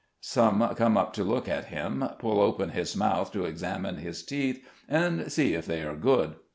Some come up to look at him, pull open his mouth to examine his teeth, and see if they are good.